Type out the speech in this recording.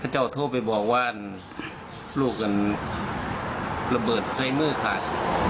พระเจ้าโทรไปบอกว่าลูกกันระเบิดไซม์มือขาด